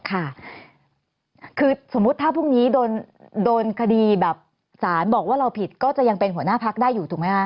ค่ะคือสมมุติถ้าพรุ่งนี้โดนคดีแบบสารบอกว่าเราผิดก็จะยังเป็นหัวหน้าพักได้อยู่ถูกไหมคะ